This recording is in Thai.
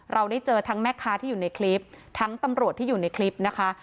เราได้เจอทั้งแม่ค้าที่อยู่ในคลิปทั้งตำรวจที่อยู่ในคลิปนะคะ